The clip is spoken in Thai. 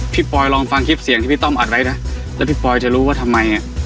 ปอยลองฟังคลิปเสียงที่พี่ต้อมอัดไว้นะแล้วพี่ปอยจะรู้ว่าทำไมอ่ะ